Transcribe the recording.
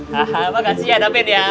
hah makasih ya dapin ya